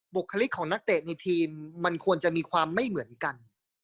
บุคลิกของนักเตะในทีมมันควรจะมีความไม่เหมือนกัน